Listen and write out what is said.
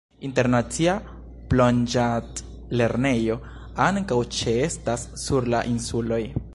Internacia plonĝadlernejo ankaŭ ĉeestas sur la insuloj.